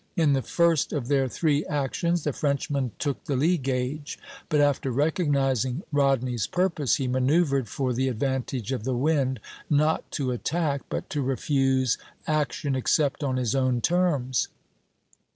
In the first of their three actions the Frenchman took the lee gage; but after recognizing Rodney's purpose he manoeuvred for the advantage of the wind, not to attack, but to refuse action except on his own terms.